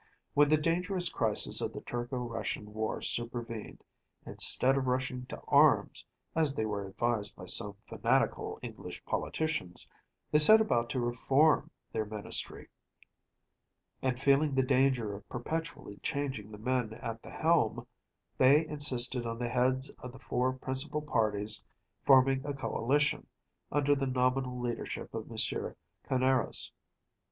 When the dangerous crisis of the Turco Russian war supervened, instead of rushing to arms, as they were advised by some fanatical English politicians, they set about to reform their Ministry; and, feeling the danger of perpetually changing the men at the helm, they insisted on the heads of the four principal parties forming a coalition, under the nominal leadership of M. Canaris.